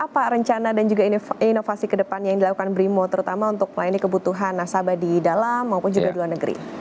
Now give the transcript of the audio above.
apa rencana dan juga inovasi ke depan yang dilakukan brimo terutama untuk melayani kebutuhan nasabah di dalam maupun juga di luar negeri